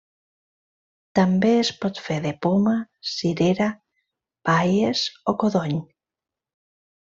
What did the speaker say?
També es pot fer de poma, cirera, baies, o codony.